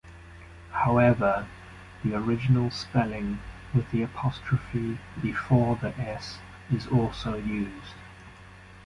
However, the original spelling with the apostrophe before the "s" is also used.